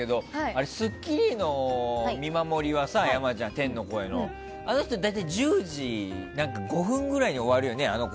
あれ「スッキリ」の見守りは天の声のあの人、大体１０時５分ぐらいに終わるよね？